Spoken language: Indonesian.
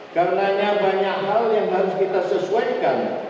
karenanya banyak hal yang harus kita sesuaikan